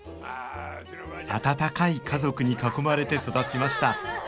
温かい家族に囲まれて育ちました